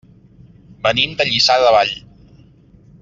Venim de Lliçà de Vall.